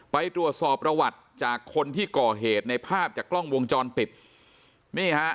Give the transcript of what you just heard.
ไปตรวจสอบประวัติจากคนที่ก่อเหตุในภาพจากกล้องวงจรปิดนี่ฮะ